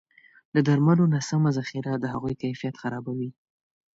د درملو نه سمه ذخیره د هغوی کیفیت خرابوي.